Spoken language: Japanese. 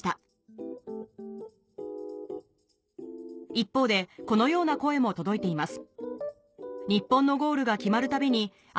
一方でこのような声も届いています